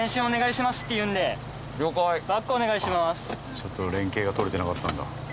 ちょっと連携が取れてなかったんだ。